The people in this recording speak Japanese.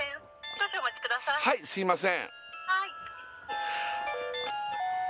はいすいません